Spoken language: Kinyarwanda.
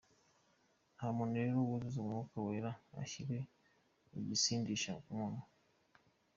Nta muntu rero wuzura Umwuka Wera ushyira igisindisha ku munwa.